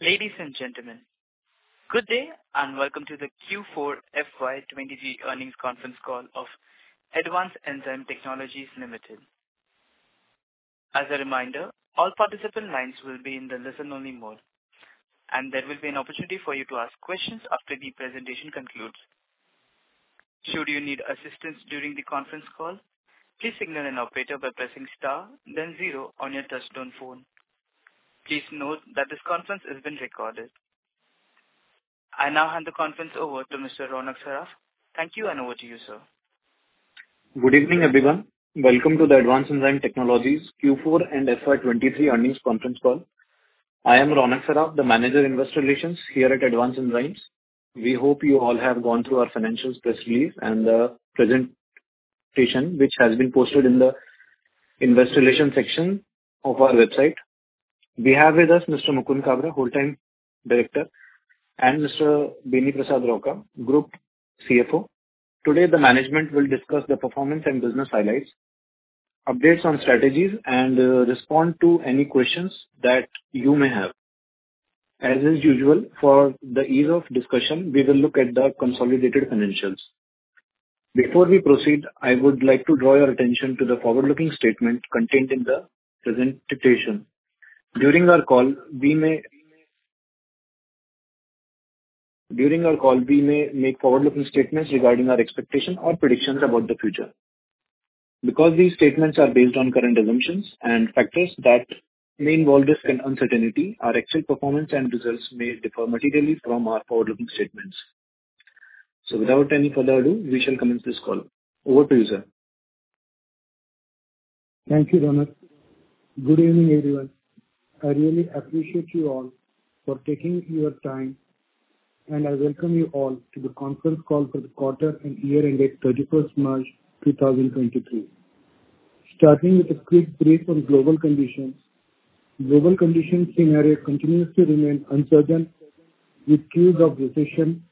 Ladies and gentlemen, good day and welcome to the Q4 FY 2023 earnings conference call of Advanced Enzyme Technologies Limited. As a reminder, all participant lines will be in the listen-only mode, and there will be an opportunity for you to ask questions after the presentation concludes. Should you need assistance during the conference call, please signal an operator by pressing star then zero on your touch-tone phone. Please note that this conference is being recorded. I now hand the conference over to Mr. Ronak Saraf. Thank you, and over to you, sir. Good evening, everyone. Welcome to the Advanced Enzyme Technologies Q4 and FY 23 earnings conference call. I am Ronak Saraf, the Manager Investor Relations here at Advanced Enzymes. We hope you all have gone through our financial press release and the presentation, which has been posted in the Investor Relations section of our website. We have with us Mr. Mukund Kabra, Whole-time Director, and Mr. Beni Prasad Rauka, Group CFO. Today, the management will discuss the performance and business highlights, updates on strategies, and respond to any questions that you may have. As is usual for the ease of discussion, we will look at the consolidated financials. Before we proceed, I would like to draw your attention to the forward-looking statement contained in the presentation. During our call, we may make forward-looking statements regarding our expectations or predictions about the future. Because these statements are based on current assumptions and factors that may involve risk and uncertainty, our actual performance and results may differ materially from our forward-looking statements. Without any further ado, we shall commence this call. Over to you, sir. Thank you, Ronak. Good evening, everyone. I really appreciate you all for taking your time. I welcome you all to the conference call for the quarter and year-ended 31st March 2023. Starting with a quick brief on global conditions. Global conditions scenario continues to remain uncertain, with clues of recession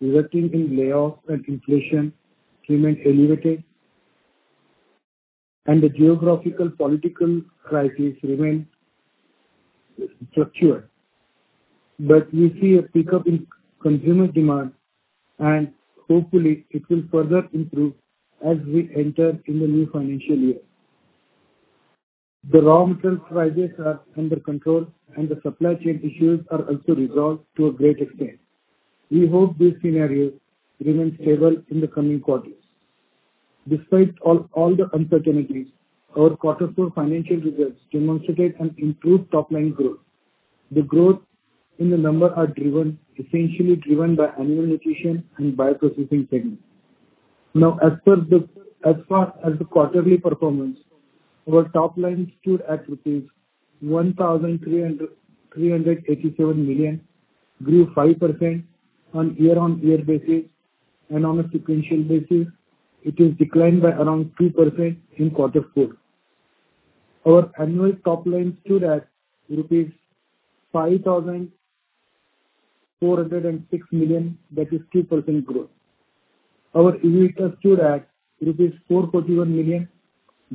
resulting in layoffs and inflation remain elevated. The geographical political crisis remain structure. We see a pickup in consumer demand. Hopefully it will further improve as we enter in the new financial year. The raw material prices are under control and the supply chain issues are also resolved to a great extent. We hope this scenario remains stable in the coming quarters. Despite all the uncertainties, our quarter four financial results demonstrated an improved top-line growth. The growth in the number are driven, essentially driven by animal nutrition and Bio-Processing segment. As far as the quarterly performance, our top line stood at rupees 1,387 million, grew 5% on year-on-year basis. On a sequential basis, it is declined by around 2% in quarter four. Our annual top line stood at rupees 5,406 million, that is 2% growth. Our EBITDA stood at rupees 441 million,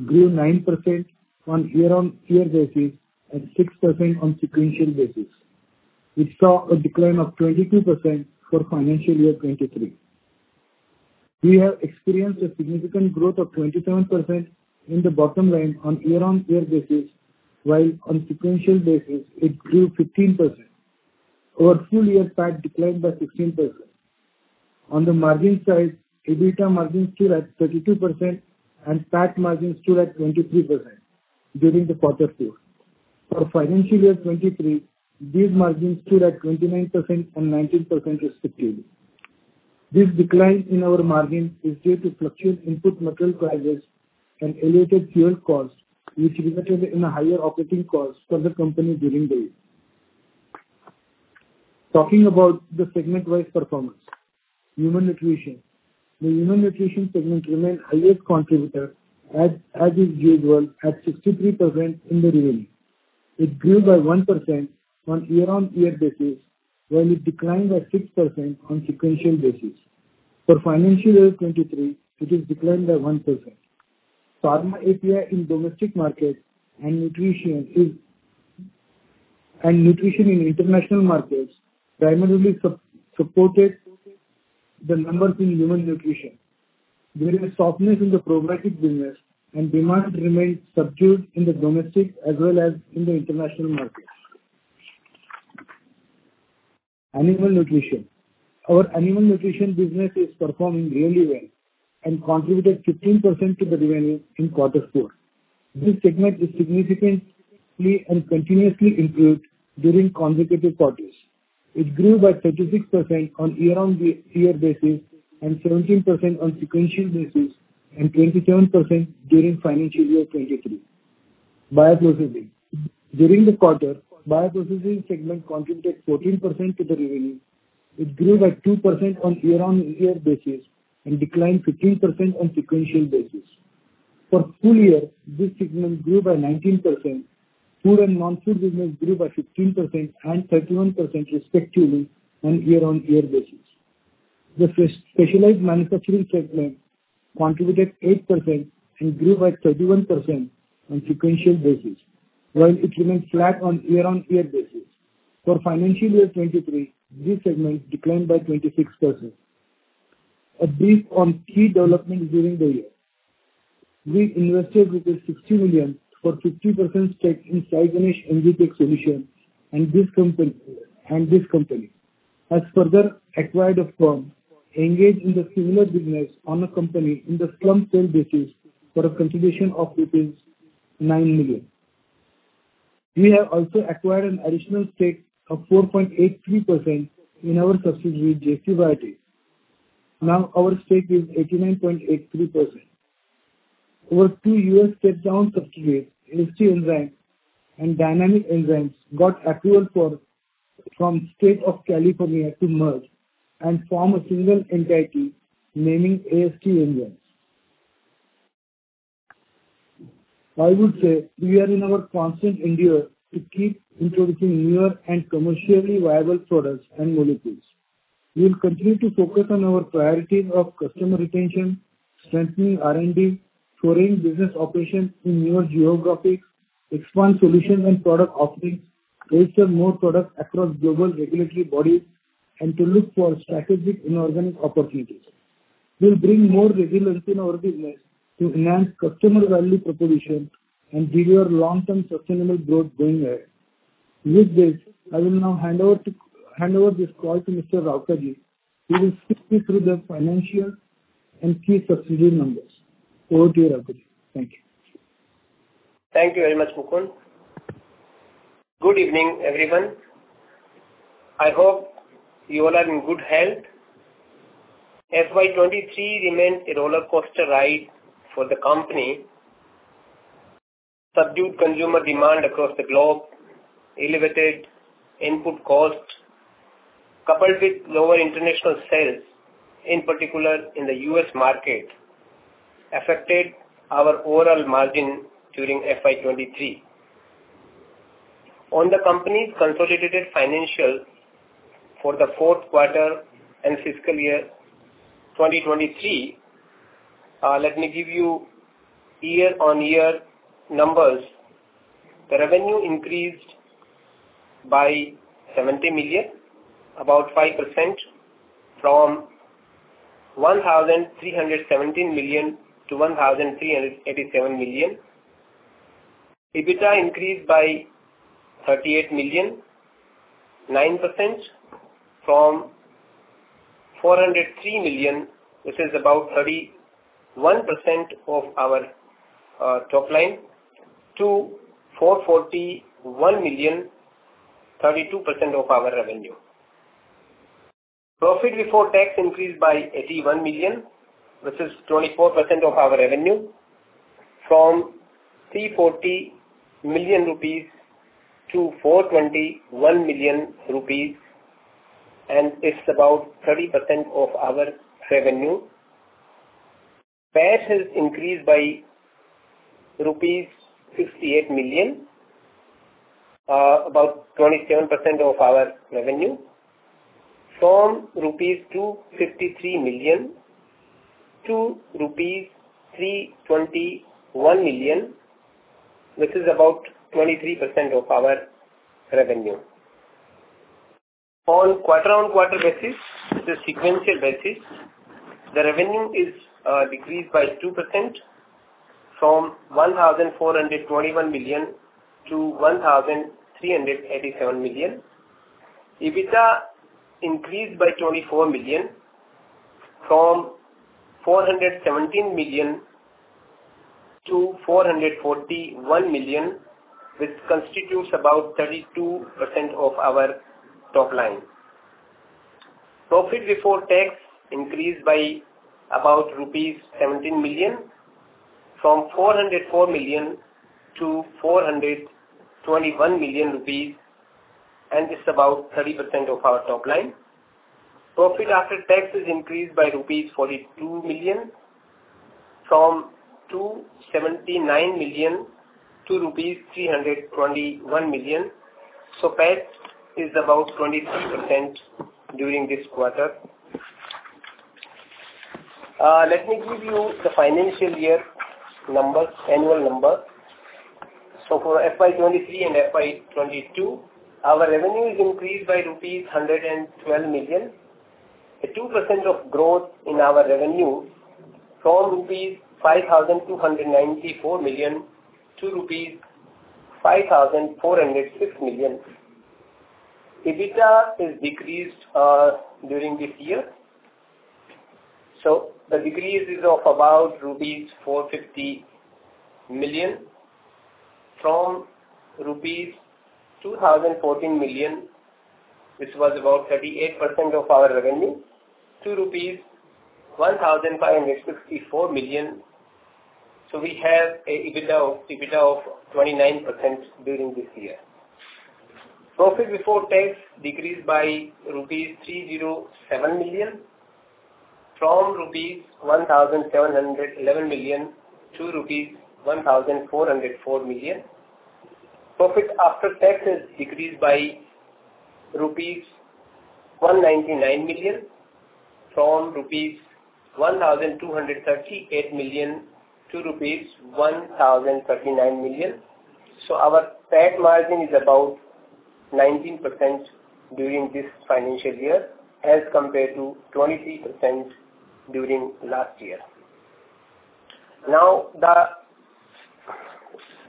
grew 9% on year-on-year basis and 6% on sequential basis, which saw a decline of 22% for financial year 2023. We have experienced a significant growth of 27% in the bottom line on year-on-year basis, while on sequential basis it grew 15%. Our full-year PAT declined by 16%. On the margin side, EBITDA margin stood at 32% and PAT margin stood at 23% during the quarter four. For financial year 2023, these margins stood at 29% and 19% respectively. This decline in our margin is due to fluctuation input material prices and elevated fuel costs which resulted in a higher operating cost for the company during the year. Talking about the segment-wise performance. Human nutrition. The human nutrition segment remains highest contributor as is usual at 63% in the revenue. It grew by 1% on year-on-year basis, while it declined by 6% on sequential basis. For financial year 2023, it is declined by 1%. Pharma API in domestic market and nutrition and nutrition in international markets primarily supported the numbers in human nutrition. There is softness in the probiotic business and demand remains subdued in the domestic as well as in the international markets. Animal nutrition. Our animal nutrition business is performing really well and contributed 15% to the revenue in quarter four. This segment is significantly and continuously improved during consecutive quarters. It grew by 36% on year-on-year basis and 17% on sequential basis and 27% during financial year 2023. Bioprocessing. During the quarter, Bioprocessing segment contributed 14% to the revenue. It grew by 2% on year-on-year basis and declined 15% on sequential basis. For full year, this segment grew by 19%. Food and non-food business grew by 15% and 31% respectively on year-on-year basis. The Specialized Manufacturing segment contributed 8% and grew at 31% on sequential basis, while it remains flat on year-on-year basis. For financial year 2023, this segment declined by 26%. A brief on key developments during the year. We invested rupees 60 million for 50% stake in Saiganesh Enzytech Solutions and this company has further acquired a firm engaged in the similar business on a company in the lump sale basis for a consideration of rupees 9 million. We have also acquired an additional stake of 4.83% in our subsidiary, JC Biotech. Our stake is 89.83%. Our two U.S. shutdown subsidiaries, AST Enzymes and Dynamic Enzymes, got approval from State of California to merge and form a single entity naming AST Enzymes. I would say we are in our constant endeavor to keep introducing newer and commercially viable products and molecules. We will continue to focus on our priorities of customer retention, strengthening R&D, touring business operations in newer geographies, expand solution and product offerings, register more products across global regulatory bodies, and to look for strategic inorganic opportunities. We'll bring more resiliency in our business to enhance customer value proposition and deliver long-term sustainable growth going ahead. With this, I will now hand over this call to Mr. Raukarji, who will take you through the financial and key subsidiary numbers. Over to you, Raukarji. Thank you. Thank you very much, Mukund. Good evening, everyone. I hope you all are in good health. FY 2023 remains a rollercoaster ride for the company. Subdued consumer demand across the globe, elevated input costs, coupled with lower international sales, in particular in the US market, affected our overall margin during FY 2023. On the company's consolidated financials for the fourth quarter and fiscal year 2023, let me give you year-on-year numbers. The revenue increased by 70 million, about 5% from 1,317 million to 1,387 million. EBITDA increased by 38 million, 9% from 403 million, which is about 31% of our top line to 441 million, 32% of our revenue. Profit before tax increased by 81 million, which is 24% of our revenue, from 340 million rupees to 421 million rupees. It's about 30% of our revenue. PAT has increased by rupees 68 million, about 27% of our revenue, from rupees 253 million to rupees 321 million, which is about 23% of our revenue. On quarter-on-quarter basis, the sequential basis, the revenue is decreased by 2% from 1,421 million to 1,387 million. EBITDA increased by 24 million from 417 million to 441 million, which constitutes about 32% of our top line. Profit before tax increased by about rupees 17 million from 404 million to 421 million rupees. It's about 30% of our top line. Profit after tax is increased by rupees 42 million from 279 million rupees to rupees 321 million. PAT is about 23% during this quarter. Let me give you the financial year numbers, annual number. For FY 2023 and FY 2022, our revenue is increased by rupees 112 million, a 2% of growth in our revenue from rupees 5,294 million to rupees 5,406 million. EBITDA is decreased during this year. The decrease is of about rupees 450 million from rupees 2,014 million, which was about 38% of our revenue, to rupees 1,564 million. We have an EBITDA of 29% during this year. Profit before tax decreased by rupees 307 million from rupees 1,711 million to rupees 1,404 million. Profit after tax has decreased by rupees 199 million from rupees 1,238 million to rupees 1,039 million. Our PAT margin is about 19% during this financial year as compared to 23% during last year. The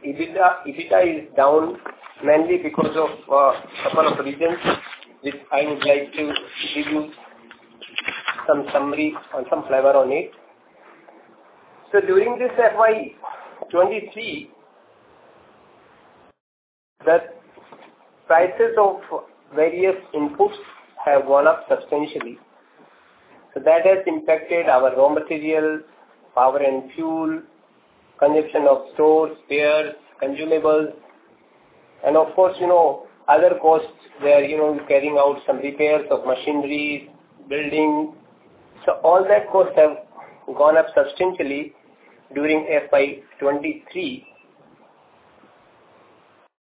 EBITDA is down mainly because of a couple of reasons which I would like to give you some summary or some flavor on it. During this FY 2023, the prices of various inputs have gone up substantially. That has impacted our raw materials, power and fuel, consumption of stores, spares, consumables, and of course, you know, other costs where, you know, carrying out some repairs of machinery, building. All that costs have gone up substantially during FY 2023.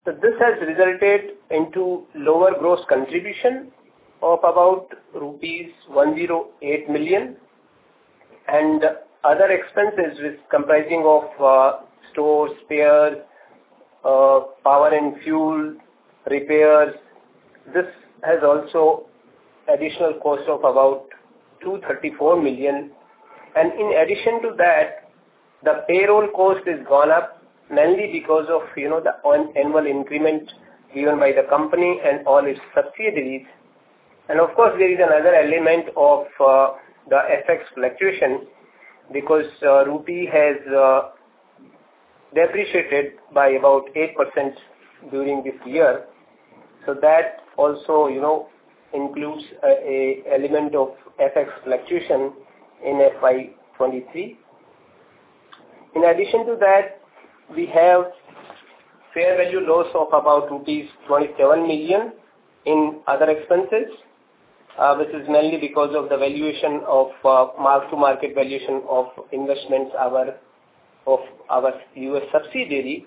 This has resulted into lower gross contribution of about rupees 108 million. Other expenses is comprising of stores, spares, power and fuel, repairs. This has also additional cost of about 234 million. In addition to that, the payroll cost has gone up mainly because of, you know, the annual increment given by the company and all its subsidiaries. Of course, there is another element of the FX fluctuation because rupee has depreciated by about 8% during this year. That also, you know, includes a element of FX fluctuation in FY 2023. In addition to that, we have fair value loss of about rupees 27 million in other expenses, which is mainly because of the valuation of mark-to-market valuation of investments our... of our U.S. subsidiary.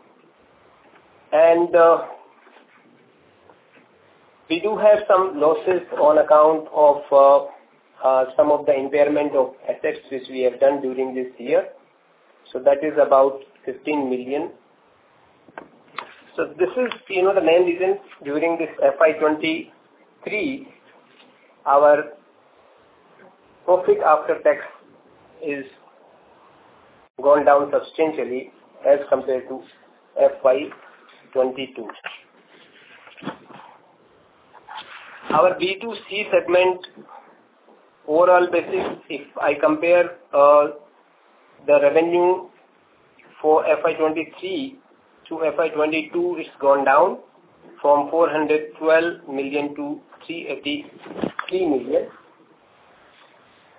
We do have some losses on account of some of the impairment of assets which we have done during this year. That is about 15 million. This is, you know, the main reason during this FY 2023, our profit after tax is gone down substantially as compared to FY 2022. Our B2C segment, overall basis, if I compare the revenue for FY 2023 to FY 2022, it's gone down from 412 million to 383 million.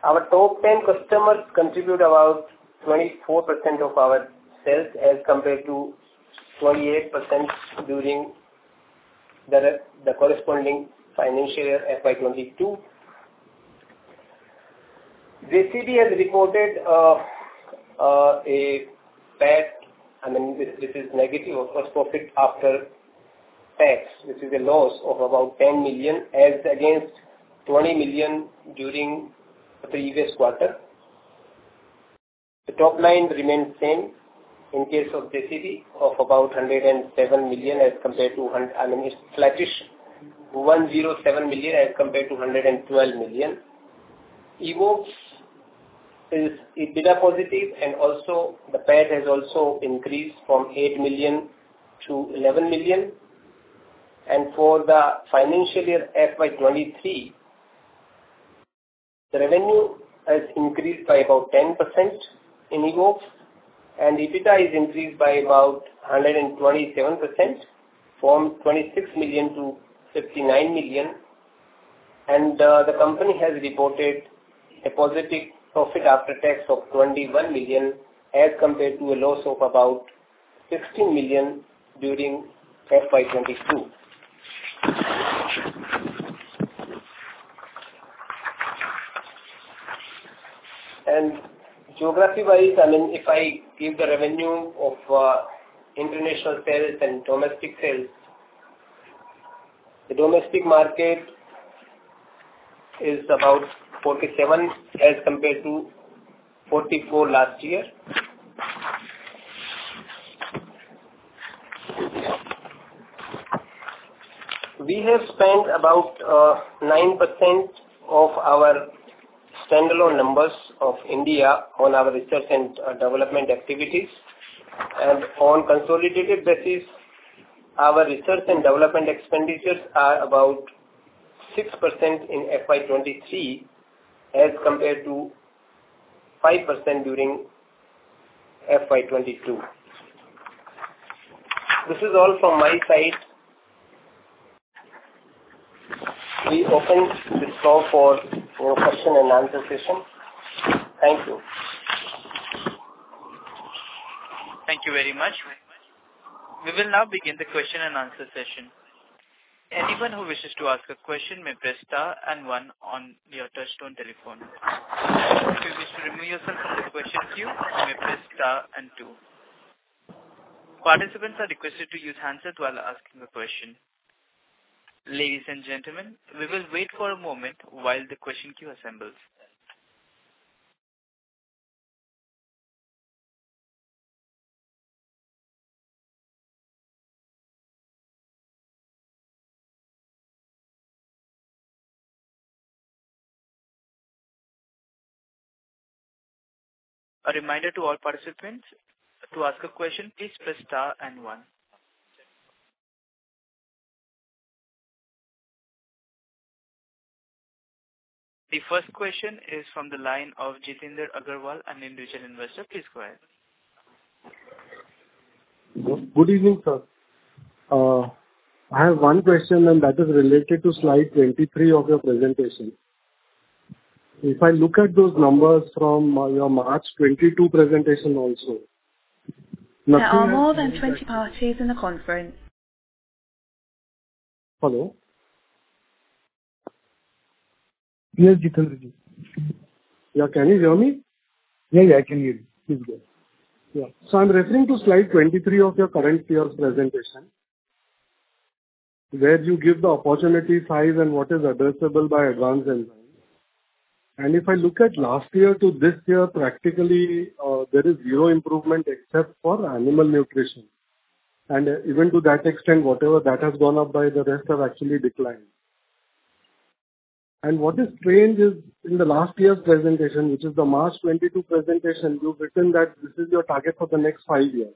Our top 10 customers contribute about 24% of our sales as compared to 28% during the corresponding financial year, FY 2022. JCB has reported a PAT, I mean, this is negative of course, profit after tax, which is a loss of about 10 million as against 20 million during the previous quarter. The top line remains same in case of JCB of about 107 million. I mean, it's flattish. 107 million as compared to 112 million. Evoxx is EBITDA positive and also the PAT has also increased from 8 million to 11 million. For the financial year FY 2023, the revenue has increased by about 10% in Evoxx. EBITDA is increased by about 127% from 26 million to 59 million. The company has reported a positive profit after tax of 21 million as compared to a loss of about 16 million during FY 2022. Geography-wise, I mean, if I give the revenue of international sales and domestic sales, the domestic market is about 47% as compared to 44% last year. We have spent about 9% of our standalone numbers of India on our research and development activities. On consolidated basis, our research and development expenditures are about 6% in FY 2023 as compared to 5% during FY 2022. This is all from my side. We open this call for question and answer session. Thank you. Thank you very much. We will now begin the question and answer session. Anyone who wishes to ask a question may press star and one on your touchtone telephone. If you wish to remove yourself from the question queue, you may press star and two. Participants are requested to use handset while asking the question. Ladies and gentlemen, we will wait for a moment while the question queue assembles. A reminder to all participants to ask a question, please press star and one. The first question is from the line of Jatinder Agarwal, an individual investor. Please go ahead. Good evening, sir. I have one question, that is related to slide 23 of your presentation. If I look at those numbers from, your March 22 presentation also Hello? Yes. Yeah. Can you hear me? Yeah. Yeah, I can hear you. Please go ahead. Yeah. I'm referring to slide 23 of your current year's presentation, where you give the opportunity size and what is addressable by Advanced Enzymes. If I look at last year to this year, practically, there is zero improvement except for animal nutrition. Even to that extent, whatever that has gone up by, the rest have actually declined. What is strange is in the last year's presentation, which is the March 22 presentation, you've written that this is your target for the next 5 years.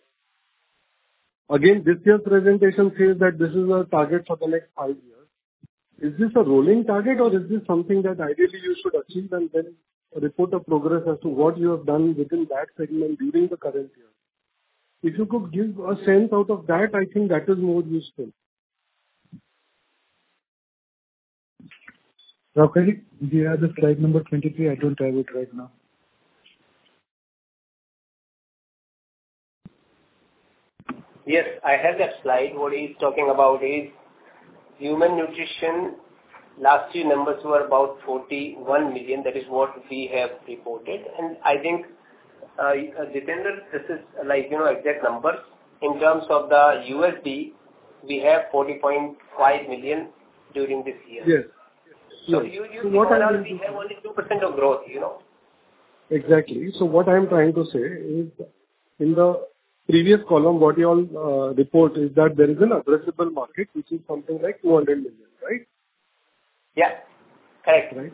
Again, this year's presentation says that this is our target for the next 5 years. Is this a rolling target, or is this something that ideally you should achieve and then report the progress as to what you have done within that segment during the current year? If you could give a sense out of that, I think that is more useful. Karthik, do you have the slide number 23? I don't have it right now. Yes, I have that slide. What he's talking about is human nutrition. Last year numbers were about $41 million. That is what we have reported. I think, Jatinder, this is like, you know, exact numbers. In terms of the USD, we have $40.5 million during this year. Yes. Yes. You, you know that we have only 2% of growth, you know? Exactly. What I'm trying to say is, in the previous column, what you all report is that there is an addressable market which is something like $200 million, right? Yeah. Correct. Right.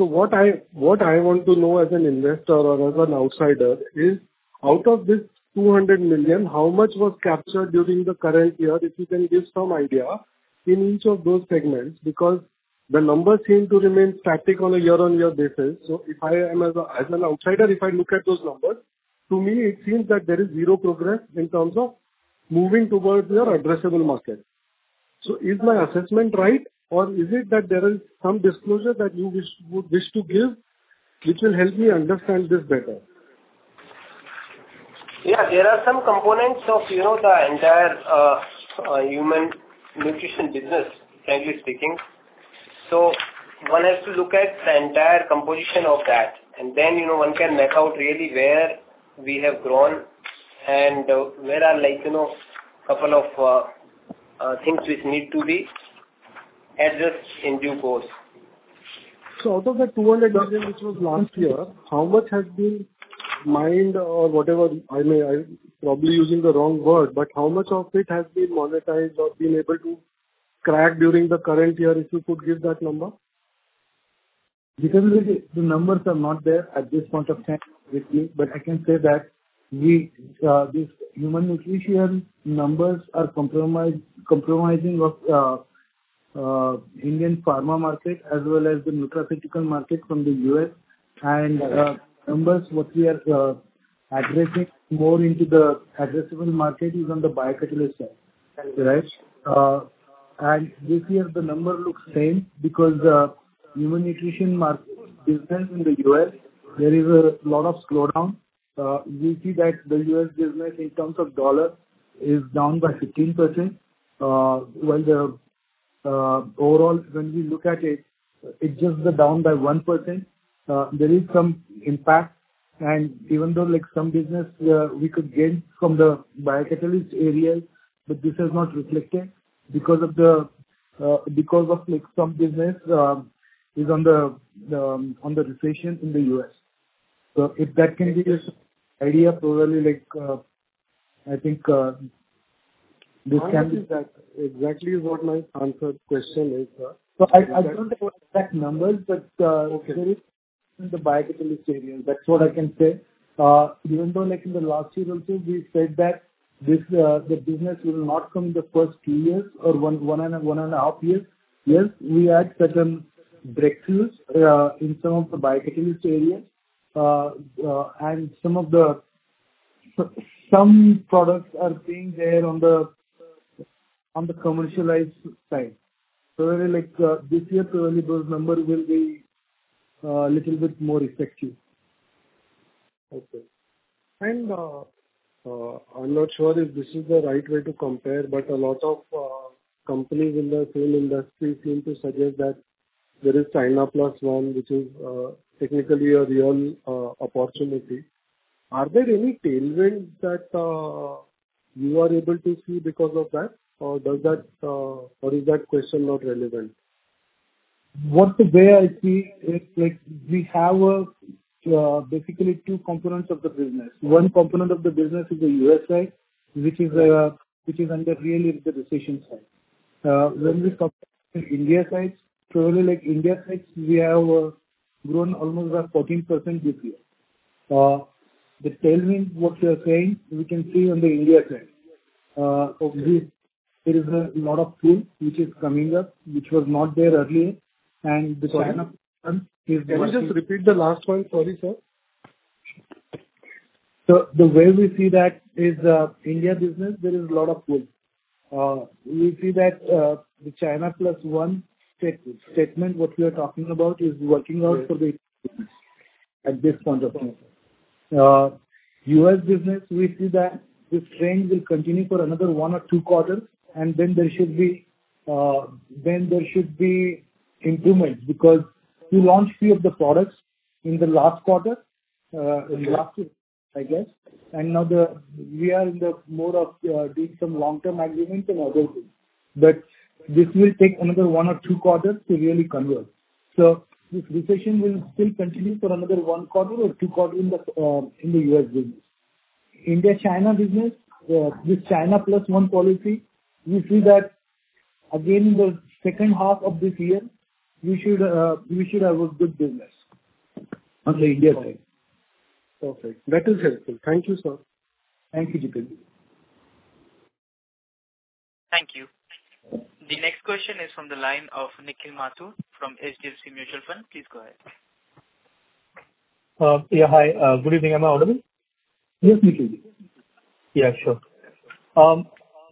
What I want to know as an investor or as an outsider is, out of this 200 million, how much was captured during the current year? If you can give some idea in each of those segments, because the numbers seem to remain static on a year-on-year basis. If I am as an outsider, if I look at those numbers, to me it seems that there is zero progress in terms of moving towards your addressable market. Is my assessment right or is it that there is some disclosure that you would wish to give which will help me understand this better? Yeah. There are some components of, you know, the entire human nutrition business, frankly speaking. One has to look at the entire composition of that and then, you know, one can make out really where we have grown and where are like, you know, couple of things which need to be addressed in due course. Out of the $200 million which was last year, how much has been mined or whatever, I'm probably using the wrong word, but how much of it has been monetized or been able to crack during the current year, if you could give that number. The, the numbers are not there at this point of time with me, but I can say that we, this human nutrition numbers are compromising of Indian pharma market as well as the nutraceutical market from the U.S. and numbers what we are addressing more into the addressable market is on the biocatalyst side. Thank you. Right? And this year the number looks same because, human nutrition market business in the U.S., there is a lot of slowdown. You see that the U.S. business in terms of USD is down by 15%, while the overall when we look at it's just down by 1%. There is some impact even though like some business we could gain from the biocatalyst areas, but this is not reflected because of the because of like some business is under the under recession in the U.S. If that can give you some idea probably like, I think, this can be. I think that exactly is what my answer to question is, sir. I don't have exact numbers, but. Okay. there is in the biocatalyst area. That's what I can say. Even though like in the last year also, we said that this, the business will not come the first 2 years or one and a half years. Yes, we had certain breakthroughs in some of the biocatalyst areas. Some products are being there on the commercialized side. Really like, this year probably those numbers will be little bit more effective. Okay. I'm not sure if this is the right way to compare, but a lot of companies in the same industry seem to suggest that there is China Plus One, which is technically a real opportunity. Are there any tailwinds that you are able to see because of that? Or is that question not relevant? What the way I see it, like, we have basically two components of the business. One component of the business is the U.S. side, which is under really the recession side. When we compare India side, so really like India side, we have grown almost like 14% this year. The tailwind what you are saying we can see on the India side. Obviously there is a lot of pull which is coming up, which was not there earlier. The China plan is working. Can you just repeat the last point? Sorry, sir. The way we see that is, India business there is a lot of pull. We see that, the China Plus One statement, what we are talking about is working out for the at this point of time. U.S. business, we see that this trend will continue for another one or two quarters, and then there should be, then there should be improvement. Because we launched few of the products in the last quarter, in the last year, I guess. Now we are in the mode of, doing some long-term agreements and other things. This will take another one or two quarters to really convert. This recession will still continue for another one quarter or two quarter in the, in the U.S. business. India, China business, with China Plus One policy, we see that again in the second half of this year, we should have a good business on the India side. Perfect. That is helpful. Thank you, sir. Thank you, Jatinder. Thank you. The next question is from the line of Nikhil Mathur from HDFC Mutual Fund. Please go ahead. Yeah. Hi. Good evening. Am I audible? Yes, Nikhil. Yeah, sure.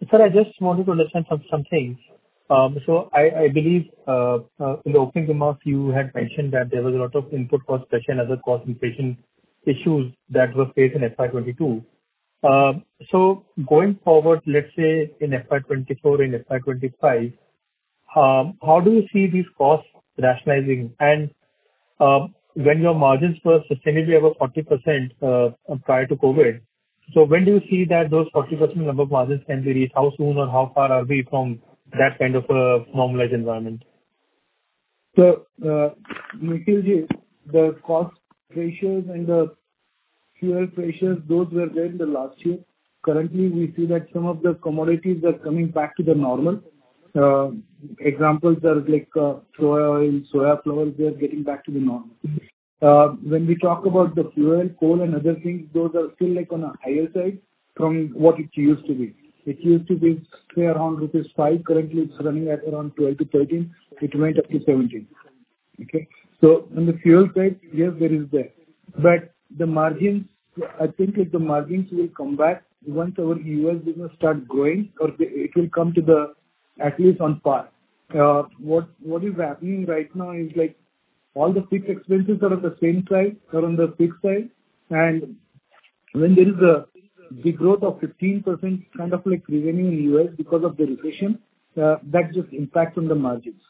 Sir, I just wanted to understand some things. I believe in the opening remarks you had mentioned that there was a lot of input cost pressure and other cost inflation issues that were faced in FY 2022. Going forward, let's say in FY 2024 and FY 2025, how do you see these costs rationalizing? When your margins were sustainably above 40%, prior to COVID. When do you see that those 40% above margins can be reached? How soon or how far are we from that kind of a normalized environment? Nikhil, the cost pressures and the fuel pressures, those were there in the last year. Currently, we see that some of the commodities are coming back to the normal. Examples are like soya oil, soya flour, they are getting back to the normal. When we talk about the fuel, coal and other things, those are still like on a higher side from what it used to be. It used to be say around rupees 5. Currently it's running at around 12- 13. It went up to 17. Okay. On the fuel side, yes, there is that. The margins, I think that the margins will come back once our U.S. business start growing or it will come to the at least on par. What is happening right now is like all the fixed expenses are at the same side, are on the fixed side. When there is a degrowth of 15%, kind of like remaining in U.S. because of the recession, that just impacts on the margins.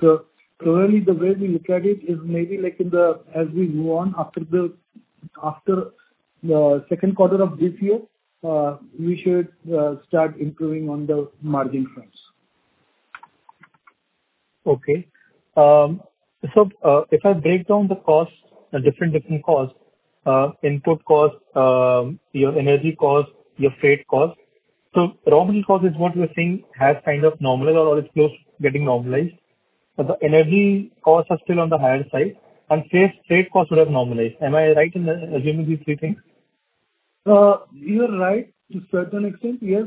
Currently, the way we look at it is maybe like in the, as we move on after the second quarter of this year, we should start improving on the margin fronts. Okay. If I break down the costs, different costs, input costs, your energy costs, your freight costs. Raw material costs is what we are seeing has kind of normalized or is close to getting normalized. The energy costs are still on the higher side and freight costs would have normalized. Am I right in assuming these three things? You are right to a certain extent. Yes.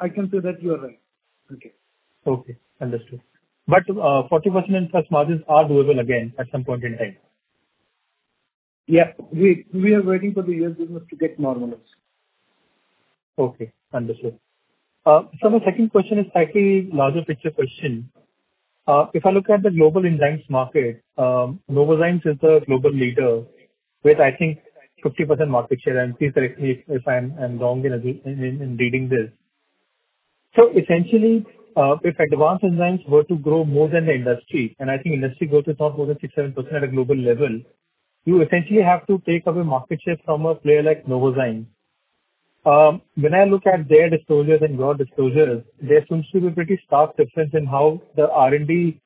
I can say that you are right. Okay. Okay. Understood. 40% and such margins are doable again at some point in time. Yeah. We are waiting for the U.S. business to get normalized. Okay, understood. My second question is slightly larger picture question. If I look at the global enzymes market, Novozymes is the global leader with I think 50% market share, and please correct me if I'm wrong in reading this. Essentially, if Advanced Enzymes were to grow more than the industry, and I think industry growth is not more than 6%-7% at a global level, you essentially have to take away market share from a player like Novozymes. When I look at their disclosures and your disclosures, there seems to be a pretty stark difference in how the R&D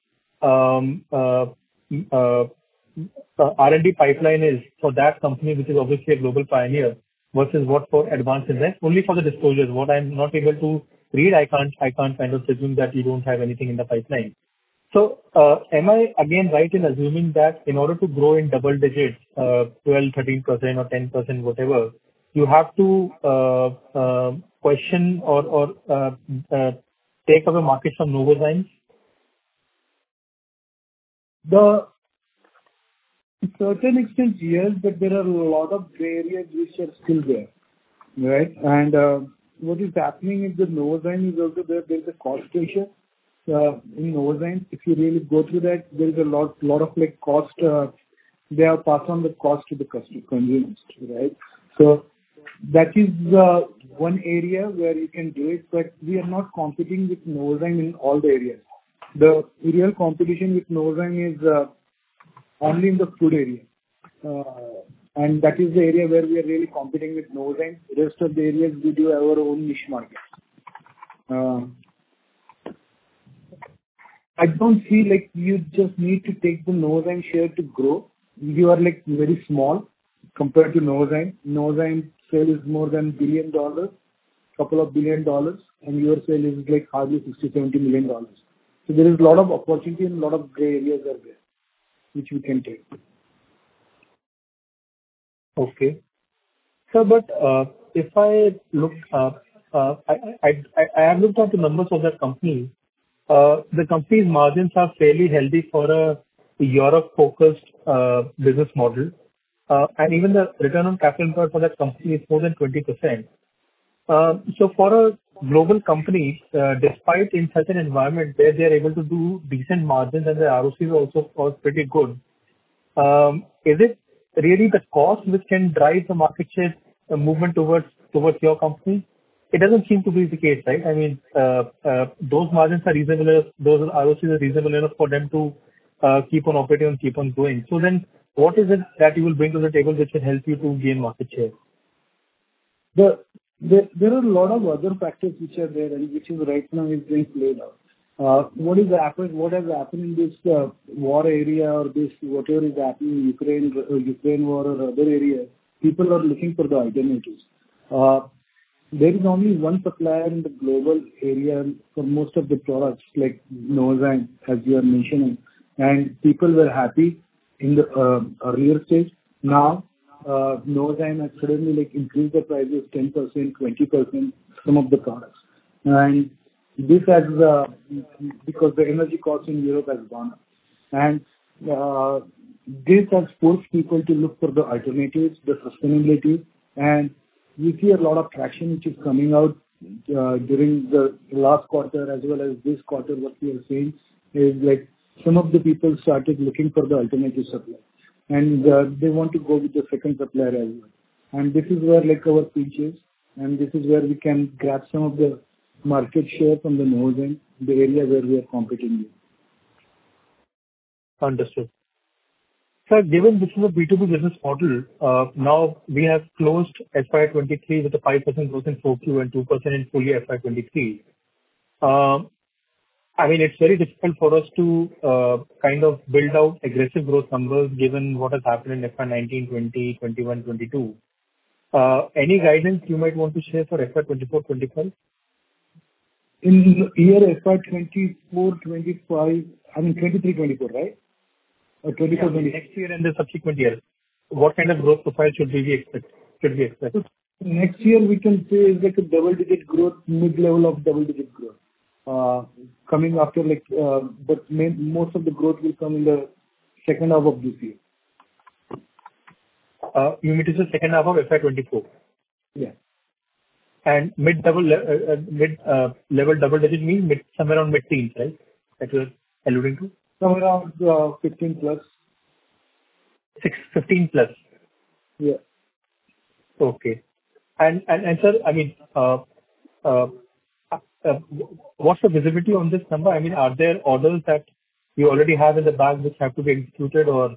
pipeline is for that company, which is obviously a global pioneer versus what for Advanced Enzymes. Only for the disclosures. What I'm not able to read, I can't kind of assume that you don't have anything in the pipeline. Am I again right in assuming that in order to grow in double digits, 12%, 13% or 10%, whatever, you have to question or take up a market from Novozymes? To a certain extent, yes. There are a lot of areas which are still there. Right. What is happening is the Novozymes is also there. There's a cost issue. In Novozymes, if you really go through that, there's a lot of, like, cost. They have passed on the cost to the customer, right? That is one area where you can do it, but we are not competing with Novozymes in all the areas. The real competition with Novozymes is only in the food area. That is the area where we are really competing with Novozymes. Rest of the areas we do our own niche markets. I don't see, like, you just need to take the Novozymes share to grow. You are, like, very small compared to Novozymes. Novozymes sale is more than $1 billion, $2 billion, your sale is, like, hardly $60 million-$70 million. There is a lot of opportunity and a lot of gray areas are there which you can take. Okay. I have looked at the numbers of that company. The company's margins are fairly healthy for a Europe-focused business model. Even the return on capital for that company is more than 20%. For a global company, despite in such an environment where they're able to do decent margins and their ROC is also, of course, pretty good, is it really the cost which can drive the market share movement towards your company? It doesn't seem to be the case, right? I mean, those margins are reasonable enough. Those ROCs are reasonable enough for them to keep on operating and keep on growing. What is it that you will bring to the table which will help you to gain market share? There are a lot of other factors which are there and which is right now in play. What has happened in this war area or this, whatever is happening in Ukraine war or other areas, people are looking for the alternatives. There is only one supplier in the global area for most of the products like Novozymes, as you are mentioning. People were happy in the earlier stage. Now, Novozymes has suddenly, like, increased the prices 10%, 20% some of the products. Because the energy cost in Europe has gone up. This has forced people to look for the alternatives, the sustainability. We see a lot of traction which is coming out during the last quarter as well as this quarter. What we are seeing is, like, some of the people started looking for the alternative supplier. They want to go with the second supplier as well. This is where, like, our strength is, and this is where we can grab some of the market share from the Novozymes, the area where we are competing with. Understood. Given this is a B2B business model, now we have closed FY 2023 with a 5% growth in 4Q and 2% in full year FY 2023. I mean, it's very difficult for us to kind of build out aggressive growth numbers given what has happened in FY 2019, 2020, 2021, 2022. Any guidance you might want to share for FY 2024, 2025? In year FY 2024, 2025, I mean, 2023, 2024, right? Or 2024, 20- Yeah. Next year and the subsequent years, what kind of growth profile should we expect? Next year we can say is like a double-digit growth, mid-level of double-digit growth. coming after like, most of the growth will come in the second half of this year. You mean it is the second half of FY 2024? Yeah. level double digits mean mid, somewhere around mid-teens, right? That you're alluding to. Somewhere around, 15% plus. 15% plus? Yeah. Okay. Sir, I mean, what's the visibility on this number? I mean, are there orders that you already have in the bag which have to be executed or,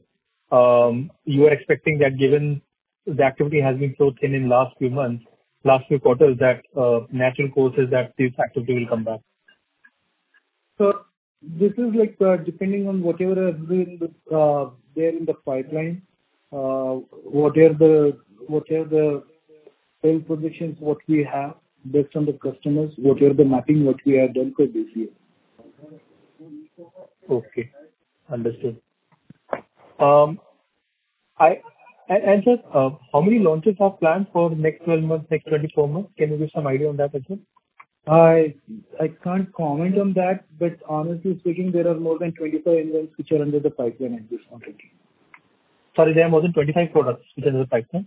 you are expecting that given the activity has been so thin in last few months, last few quarters, that natural courses that this activity will come back? This is like, depending on whatever has been there in the pipeline, whatever the sale positions what we have based on the customers, whatever the mapping what we have done for this year. Okay. Understood. Sir, how many launches are planned for next 12 months, next 24 months? Can you give some idea on that as well? I can't comment on that, but honestly speaking, there are more than 25 engines which are under the pipeline at this point in time. Sorry, there are more than 25 products which are in the pipeline?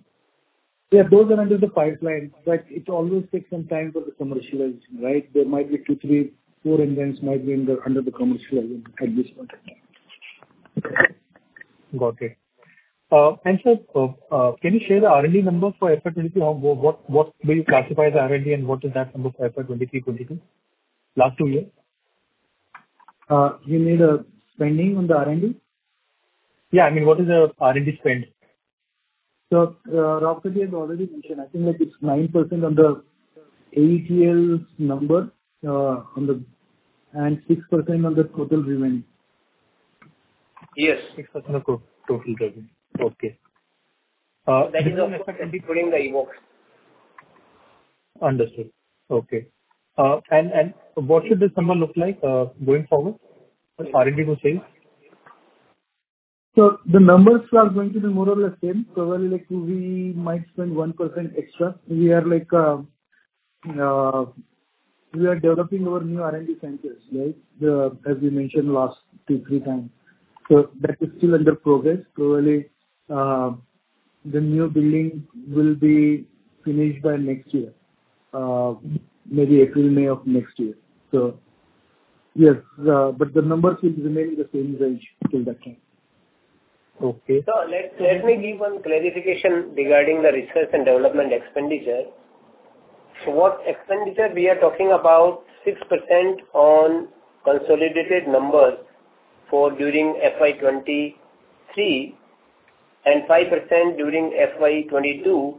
Yeah, those are under the pipeline, but it always takes some time for the commercialization, right? There might be two, three, four enzymes might be under the commercial at this point in time. Got it. Sir, can you share the R&D numbers for FY 2024? What do you classify as R&D and what is that number for FY 2023, 2022? Last two years. You mean the spending on the R&D? Yeah. I mean, what is the R&D spend? Rauka has already mentioned. I think that it's 9% on the AETL's number, 6% on the total revenue. Yes. 6% of total revenue. Okay. That is including the Evoxx. Understood. Okay. What should this number look like going forward for R&D to sales? The numbers are going to be more or less same. Probably like we might spend 1% extra. We are like, we are developing our new R&D centers, right? As we mentioned last two, three times. That is still under progress. Probably, the new building will be finished by next year, maybe April, May of next year. Yes, the numbers will remain in the same range till that time. Okay. Sir, let me give one clarification regarding the research and development expenditure. What expenditure we are talking about 6% on consolidated numbers for during FY 2023 and 5% during FY 2022.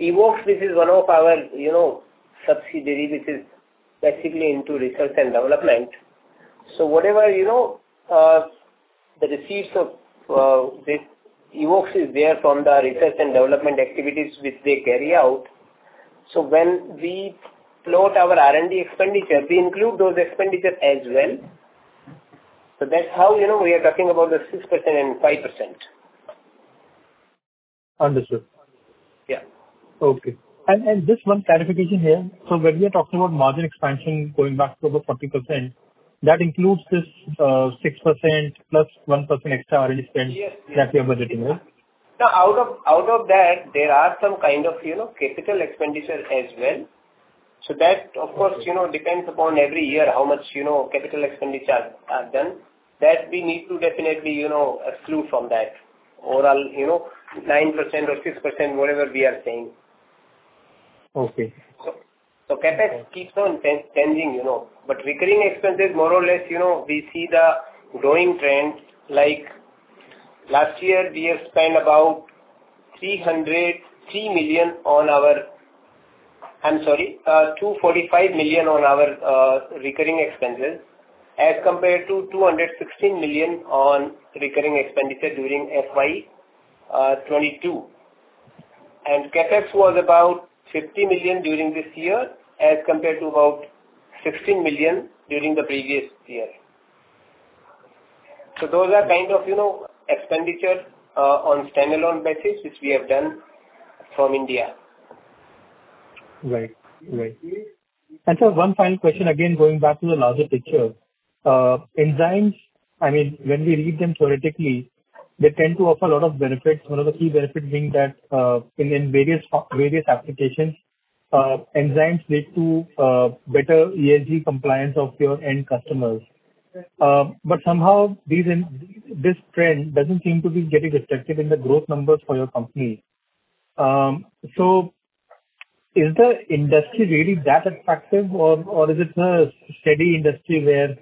Evoxx, this is one of our, you know, subsidiary. This is basically into research and development. Whatever, you know, the receipts of this Evoxx is there from the research and development activities which they carry out. When we float our R&D expenditure, we include those expenditure as well. That's how, you know, we are talking about the 6% and 5%. Understood. Yeah. Okay. Just one clarification here. When we are talking about margin expansion going back to over 40%, that includes this 6% plus 1% extra R&D spend. Yes. that you are budgeting, right? No, out of that, there are some kind of, you know, capital expenditure as well. That of course, you know, depends upon every year how much, you know, capital expenditure are done. That we need to definitely, you know, exclude from that. Overall, you know, 9% or 6%, whatever we are saying. Okay. CapEx keeps on ten-changing, you know. Recurring expenses more or less, you know, we see the growing trend, like last year we have spent about 303 million on our... I'm sorry, 245 million on our recurring expenses as compared to 216 million on recurring expenditure during FY 2022. CapEx was about 50 million during this year as compared to about 16 million during the previous year. Those are kind of, you know, expenditures on standalone basis, which we have done from India. Right. Right. Sir, one final question, again, going back to the larger picture. Enzymes, I mean, when we read them theoretically, they tend to offer a lot of benefits. One of the key benefits being that in various applications, enzymes lead to better ESG compliance of your end customers. But somehow this trend doesn't seem to be getting reflected in the growth numbers for your company. Is the industry really that attractive or is it a steady industry where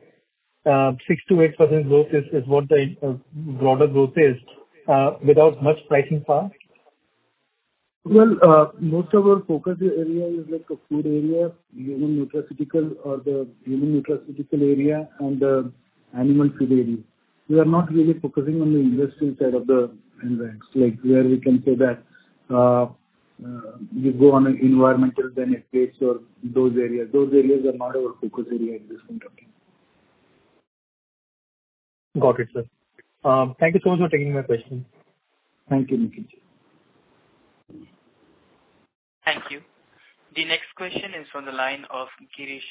6%-8% growth is what the broader growth is without much pricing power? Well, most of our focus area is like a food area, human nutraceutical or the human nutraceutical area and the animal food area. We are not really focusing on the industrial side of the enzymes, like where we can say that you go on an environmental benefits or those areas. Those areas are not our focus area at this point of time. Got it, sir. Thank you so much for taking my question. Thank you, Nikhil. Thank you. The next question is from the line of Girish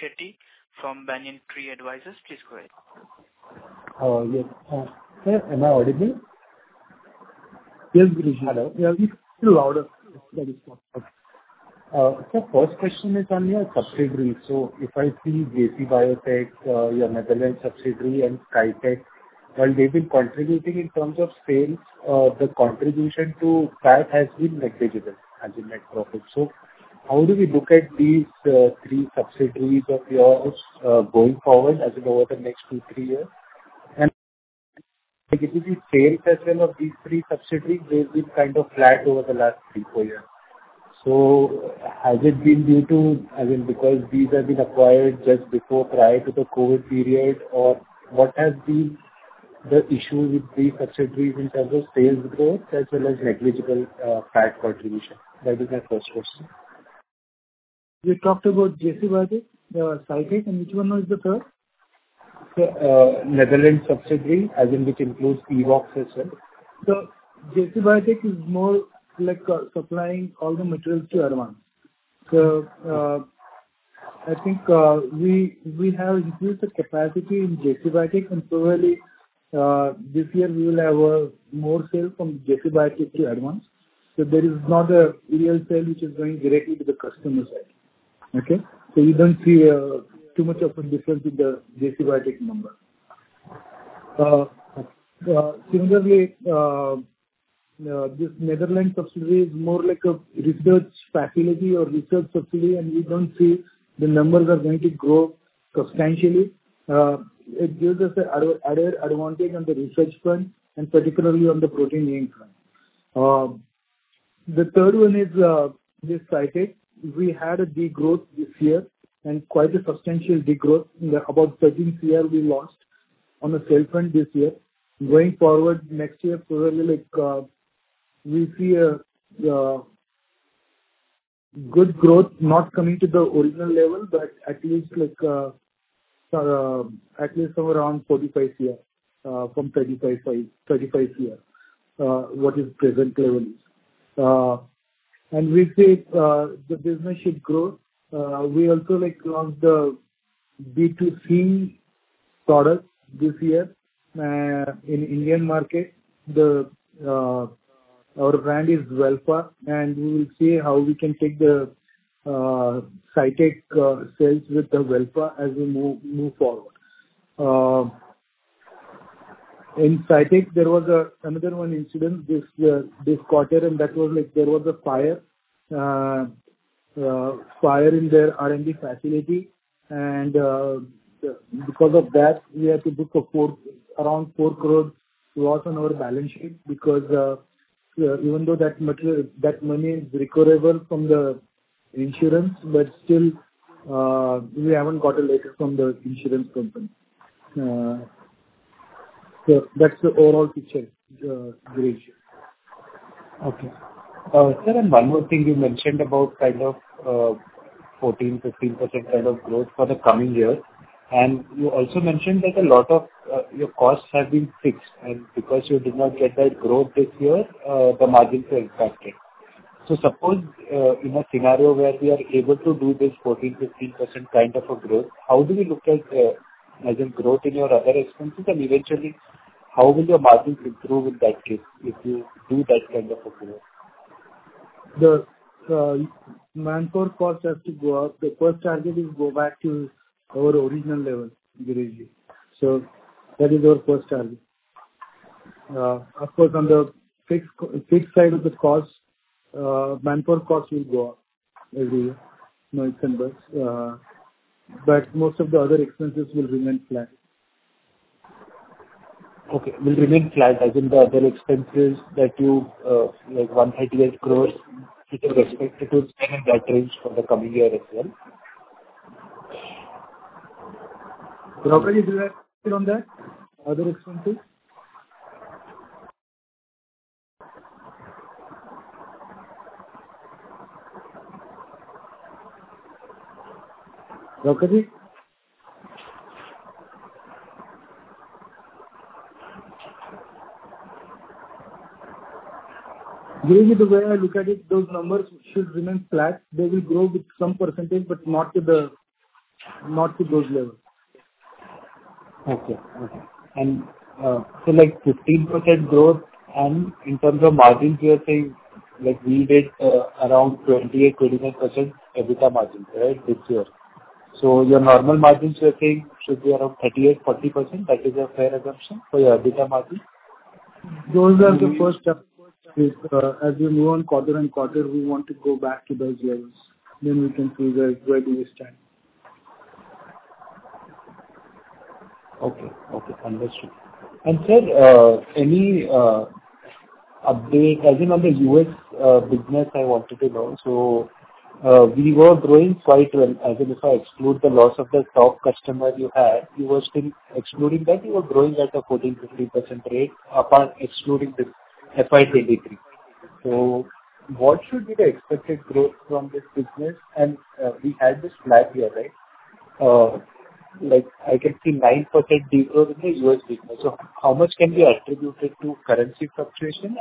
Shetty from Banyan Tree Advisors. Please go ahead. Hello. Yes. Sir, am I audible? Yes, Girish. Hello. Yeah, we can hear you loud and clear. First question is on your subsidiaries. If I see JC Biotech, your Netherlands subsidiary and SciTech, while they've been contributing in terms of sales, the contribution to PAT has been negligible as in net profit. How do we look at these three subsidiaries of yours, going forward as in over the next two, three years? Like if you see sales as well of these three subsidiaries, they've been kind of flat over the last three, four years. Has it been, I mean, because these have been acquired just before prior to the COVID period, or what has been the issue with these subsidiaries in terms of sales growth as well as negligible PAT contribution? That is my first question. You talked about JC Biotech, SciTech, and which one was the third? Netherlands subsidiary, as in which includes Evoxx as well. JC Biotech is more like supplying all the materials to Advanced. I think we have increased the capacity in JC Biotech, and probably this year we will have more sale from JC Biotech to Advanced. There is not a real sale which is going directly to the customer side. Okay. You don't see too much of a difference in the JC Biotech number. Similarly, this Netherlands subsidiary is more like a research facility or research subsidiary, and we don't see the numbers are going to grow substantially. It gives us an added advantage on the research front and particularly on the protein engineering front. The third one is this SciTech. We had a degrowth this year and quite a substantial degrowth. In the about 13 crore we lost on the sales front this year. Going forward next year, probably like, we see a good growth not coming to the original level, but at least. At least around 45 crore, from 35 crore, what is present level. We see the business should grow. We also like launched the B2C product this year in Indian market. The, our brand is Wellfa, and we will see how we can take the SciTech sales with the Wellfa as we move forward. In SciTech there was another one incident this year, this quarter, and that was like there was a fire. Fire in their R&D facility. Because of that, we had to book around 4 crore loss on our balance sheet because even though that material, that money is recoverable from the insurance, but still, we haven't got a letter from the insurance company. That's the overall picture, Girish. Okay. Sir, one more thing you mentioned about kind of 14%-15% kind of growth for the coming year. You also mentioned that a lot of your costs have been fixed, and because you did not get that growth this year, the margins are impacted. Suppose, in a scenario where we are able to do this 14%-15% kind of a growth, how do we look at as in growth in your other expenses and eventually how will your margins improve in that case if you do that kind of a growth? The manpower cost has to go up. The first target is go back to our original level, Girish. That is our first target. Of course, on the fixed side of the cost, manpower cost will go up every month and years. Most of the other expenses will remain flat. Okay, will remain flat as in the other expenses that you, like 108 crores, you can expect it to stay in that range for the coming year as well. Raukaji, do you have view on that, other expenses? Raukaji. Girish Shetty, the way I look at it, those numbers should remain flat. They will grow with some percentage, but not to the, not to those levels. Okay. Okay. Like 15% growth and in terms of margins you are saying like we made around 28%-25% EBITDA margins, right, this year? Your normal margins you're saying should be around 38%-40%. That is a fair assumption for your EBITDA margin? Those are the first steps. As we move on quarter and quarter, we want to go back to those levels, then we can see where do we stand. Okay. Okay. Understood. Sir, any update as in on the U.S. business I wanted to know. We were growing quite well. As in if I exclude the loss of the top customer you had, you were still excluding that you were growing at a 14%-15% rate apart excluding this FY 2023. What should be the expected growth from this business? We had this flat year, right? Like I can see 9% degrowth in the U.S. business. How much can be attributed to currency fluctuation?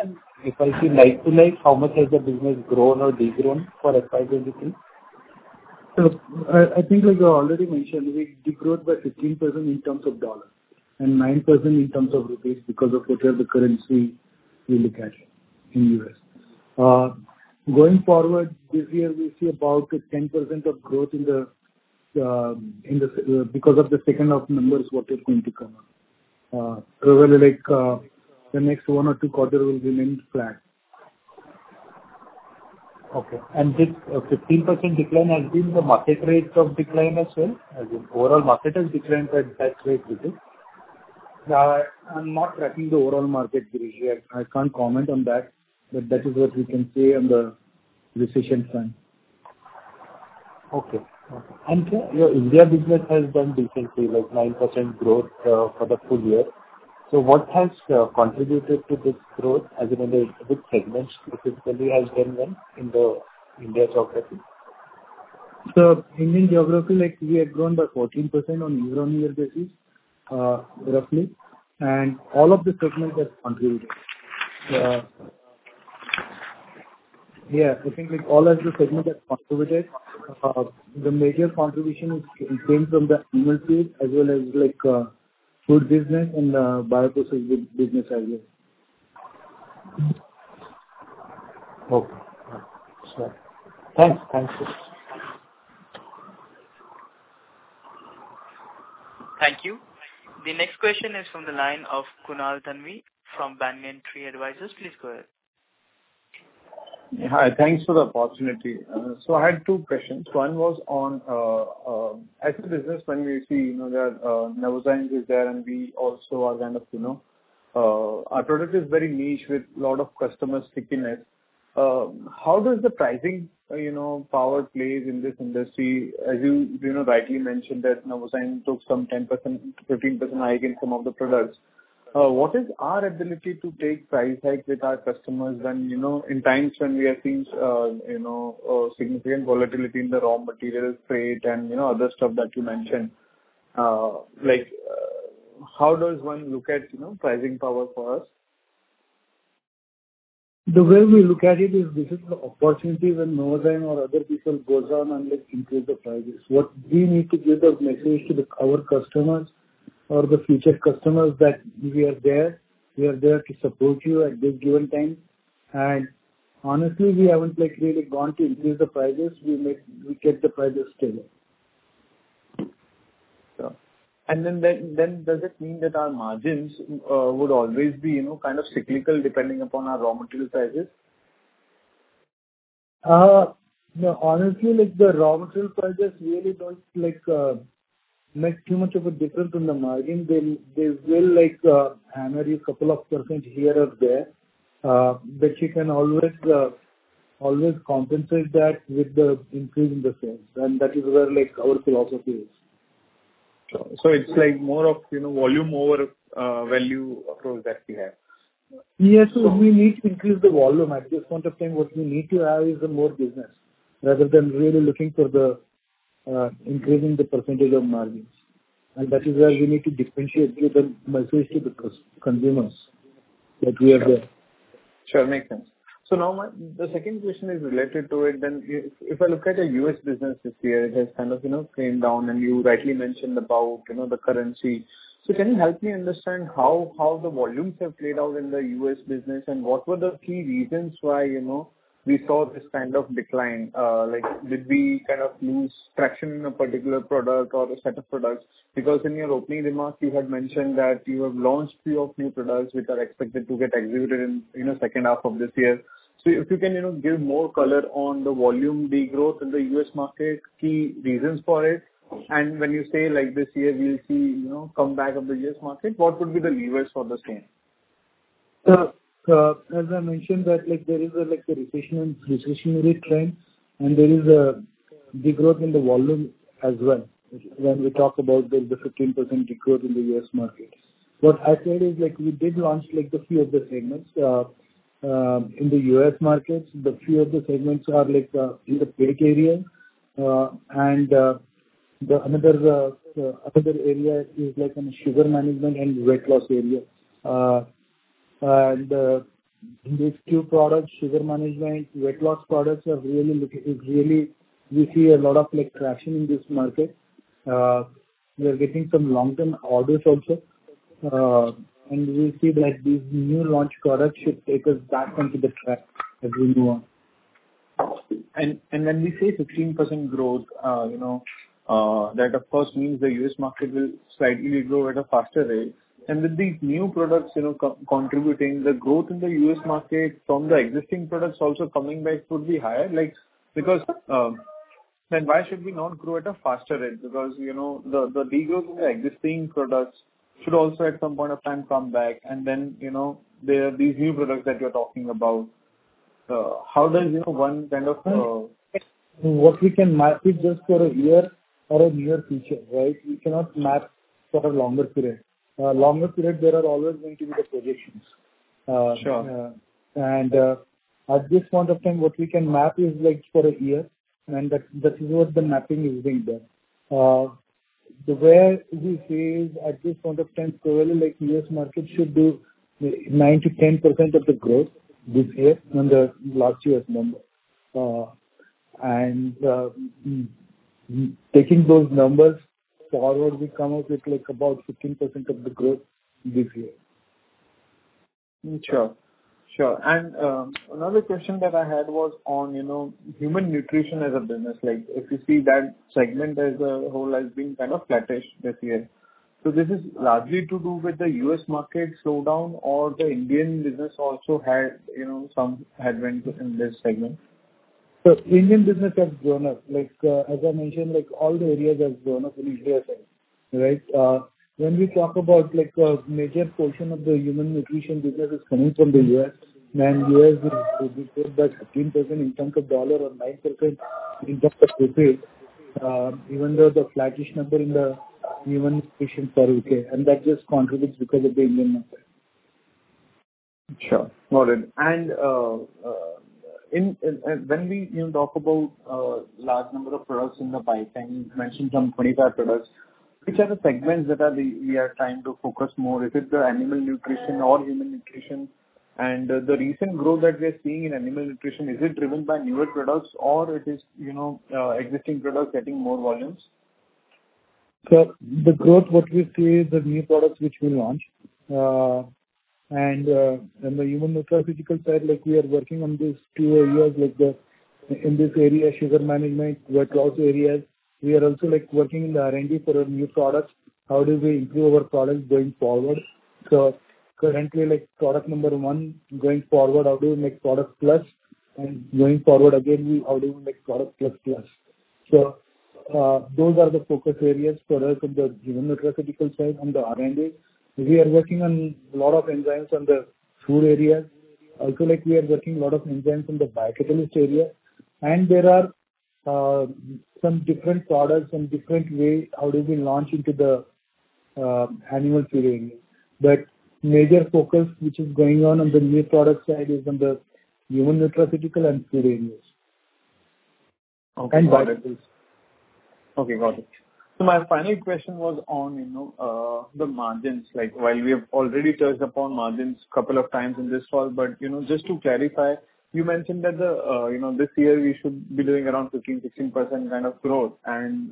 If I see like to like how much has the business grown or degrown for FY 2023? I think as I already mentioned, we degrowed by 15% in terms of dollars and 9% in terms of rupees because of whatever the currency intercash in U.S. Going forward this year we see about 10% of growth in the, in the, because of the second half numbers what is going to come up. Probably like, the next one or two quarter will remain flat. Okay. This 15% decline has been the market rate of decline as well as in overall market has declined at that rate, you think? I'm not tracking the overall market, Girish. I can't comment on that. That is what we can say on the recession front. Okay. Okay. Sir, your India business has done decently, like 9% growth, for the full year. What has contributed to this growth as in which segments specifically has done well in the India geography? In India geography like we have grown by 14% on year-on-year basis, roughly. All of the segments has contributed. Yeah, I think like all of the segments have contributed. The major contribution is came from the animal feed as well as like, food business and, Bio-Processing business I guess. Okay. Sure. Thanks. Thanks. [inaudible] Thank you. The next question is from the line of Kunal Thanvi from Banyan Tree Advisors. Please go ahead. Hi. Thanks for the opportunity. I had two questions. One was on, as a business when we see, you know, that Novozymes is there and we also are kind of, you know, our product is very niche with lot of customer stickiness. How does the pricing, you know, power plays in this industry? As you know, rightly mentioned that Novozymes took some 10%, 15% hike in some of the products. What is our ability to take price hike with our customers when, you know, in times when we are seeing, you know, significant volatility in the raw material freight and, you know, other stuff that you mentioned. Like, how does one look at, you know, pricing power for us? The way we look at it is this is the opportunity when no other time or other people goes on and, like, increase the prices. What we need to give the message to our customers or the future customers that we are there. We are there to support you at this given time. Honestly, we haven't, like, really gone to increase the prices. We kept the prices stable. Sure. Then does it mean that our margins would always be, you know, kind of cyclical depending upon our raw material prices? No. Honestly, the raw material prices really don't make too much of a difference in the margin. They will hammer you a couple of percent here or there. You can always compensate that with the increase in the sales. That is where our philosophy is. Sure. It's, like, more of, you know, volume over, value approach that we have. Yes. Sure. We need to increase the volume. At this point of time, what we need to have is the more business rather than really looking for the increasing the percentage of margins. That is where we need to differentiate, give the message to the consumers that we are there. Sure. Makes sense. Now the second question is related to it. If I look at the U.S. business this year, it has kind of, you know, came down and you rightly mentioned about, you know, the currency. Can you help me understand how the volumes have played out in the U.S. business, and what were the key reasons why, you know, we saw this kind of decline? Like, did we kind of lose traction in a particular product or a set of products? Because in your opening remarks you had mentioned that you have launched few of new products which are expected to get exhibited in the second half of this year. If you can, you know, give more color on the volume degrowth in the U.S. market, key reasons for it. When you say, like, this year we'll see, you know, comeback of the U.S. market, what would be the levers for the same? As I mentioned that, like, there is a, like, a recessionary trend and there is a degrowth in the volume as well. When we talk about the 15% degrowth in the U.S. market. What I said is, like, we did launch, like, the few of the segments in the U.S. markets. The few of the segments are like, in the break area. The another area is like in sugar management and weight loss area. In these two products, sugar management, weight loss products are really looking. It really, we see a lot of, like, traction in this market. We are getting some long-term orders also. We see that these new launched products should take us back onto the track as we move on. When we say 15% growth, you know, that of course means the U.S. market will slightly grow at a faster rate. With these new products, you know, contributing the growth in the U.S. market from the existing products also coming back could be higher, like, because, then why should we not grow at a faster rate? Because, you know, the degrowth in the existing products should also at some point of time come back and then, you know, there are these new products that you're talking about. How does, you know, one kind of. What we can map is just for a year or a near future, right? We cannot map for a longer period. Longer period there are always going to be the fluctuations. Sure. At this point of time, what we can map is, like, for a year, and that is what the mapping is being done. The way we say is at this point of time, probably like U.S. market should do 9% to 10% of the growth this year on the last year's number. Taking those numbers forward, we come up with, like, about 15% of the growth this year. Sure, sure. Another question that I had was on, you know, human nutrition as a business. Like, if you see that segment as a whole has been kind of flattish this year. This is largely to do with the U.S. market slowdown or the Indian business also had, you know, some headwinds in this segment? Indian business has grown up. Like, as I mentioned, like, all the areas has grown up in India side, right? When we talk about, like, a major portion of the human nutrition business is coming from the U.S., and U.S. we said that 13% in terms of dollar or 9% in terms of even though the flattish number in the human nutrition side, okay. That just contributes because of the Indian number. Sure. Got it. when we, you know, talk about, large number of products in the pipeline, you mentioned some 25 products. Which are the segments that we are trying to focus more? Is it the animal nutrition or human nutrition? The recent growth that we are seeing in animal nutrition, is it driven by newer products or it is, you know, existing products getting more volumes? The growth, what we see is the new products which we launched. And in the human nutraceutical side, like, we are working on these two areas. In this area, sugar management, weight loss areas. We are also, like, working in the R&D for a new products. How do we improve our products going forward? Currently, like, product number one, going forward, how do we make product plus? Going forward again, how do we make product plus plus? Those are the focus areas for us on the human nutraceutical side, on the R&D. We are working on lot of enzymes on the food areas. Like, we are working lot of enzymes on the biopharmaceutical area. There are some different products and different way, how do we launch into the annual period. Major focus which is going on on the new product side is on the human nutraceutical and food ingredients. Okay, got it. Beverages. Okay, got it. My final question was on, you know, the margins. Like, while we have already touched upon margins couple of times in this call, you know, just to clarify, you mentioned that, you know, this year we should be doing around 15%, 16% kind of growth.